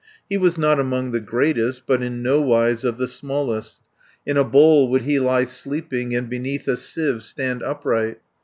He was not among the greatest, But in nowise of the smallest. In a bowl would he lie sleeping, And beneath a sieve stand upright.